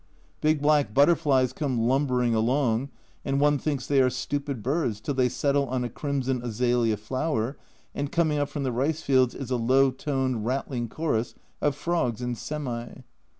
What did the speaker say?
Big black butter flies come lumbering along, and one thinks they are stupid birds till they settle on a crimson azalea flower, and coming up from the rice fields is a low toned rattling chorus of frogs and semi.